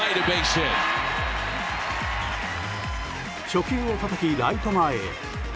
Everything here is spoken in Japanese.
初球をたたき、ライト前へ。